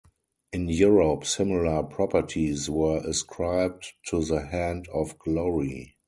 In Europe, similar properties were ascribed to the Hand of Glory.